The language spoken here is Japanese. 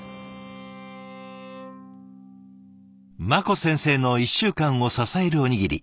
茉子先生の１週間を支えるおにぎり。